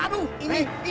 ini ini yang paling keput